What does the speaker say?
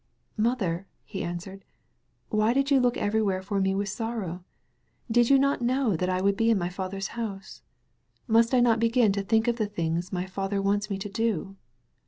'* "Mother," he answered, "why did you look everywhere for me with sorrow ? Did you not know that I would be in my Father's house? Must I not begin to think of the things my Father wants me to do?"